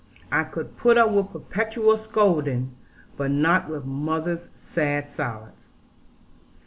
I could put up with perpetual scolding but not with mother's sad silence.'